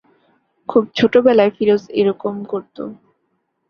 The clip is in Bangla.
খুব ছোটবেলায় ফিরোজ এরকম করত।